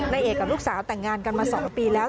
นายเอกกับลูกสาวแต่งงานกันมา๒ปีแล้ว